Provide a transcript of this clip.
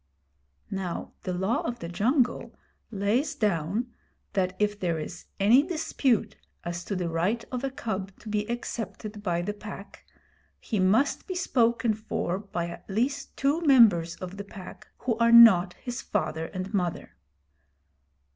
Now the Law of the Jungle lays down that if there is any dispute as to the right of a cub to be accepted by the Pack, he must be spoken for by at least two members of the Pack who are not his father and mother.